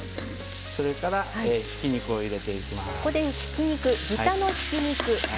それから、ひき肉を入れていきます。